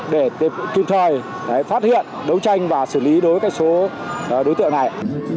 để kịp thời phát hiện đấu tranh và xử lý đối với số đối tượng này